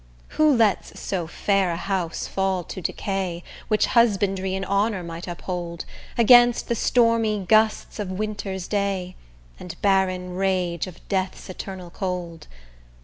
Who lets so fair a house fall to decay, Which husbandry in honour might uphold, Against the stormy gusts of winter's day And barren rage of death's eternal cold?